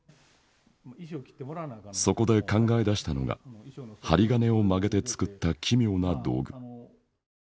そこで考え出したのが針金を曲げて作った奇妙な道具。